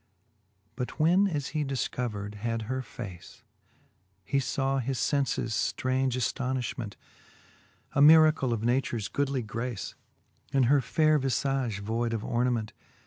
But when as he difcovered had her face, He faw his fenfes ftraunge aftonilhment, A miracle of natures goodly grace, In her faire vi{age voide of ornament.